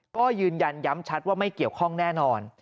ก็ยืนยันย้ำชัดว่าไม่เกี่ยวข้องแน่นอน